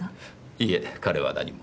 いえ彼は何も。